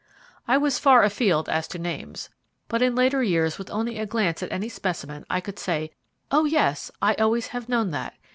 I was far afield as to names, but in later years with only a glance at any specimen I could say, "Oh, yes! I always have known that.